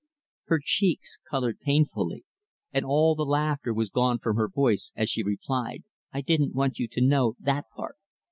Her cheeks colored painfully, and all the laughter was gone from her voice as she replied, "I didn't want you to know that part."